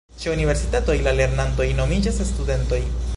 Ĉe universitatoj la lernantoj nomiĝas studentoj.